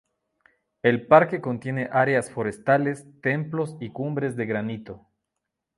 El parque contiene áreas forestales, templos y cumbres de granito.